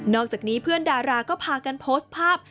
อกจากนี้เพื่อนดาราก็พากันโพสต์ภาพ